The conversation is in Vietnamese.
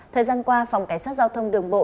thời gian qua phòng cảnh sát giao thông đường bộ